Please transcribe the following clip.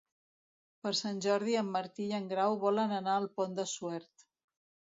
Per Sant Jordi en Martí i en Grau volen anar al Pont de Suert.